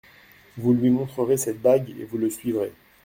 Vous lui montrerez cette bague et vous le suivrez.